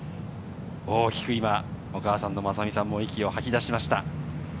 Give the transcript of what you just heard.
大きく、お母さんのまさみさんも息を吐き出しました。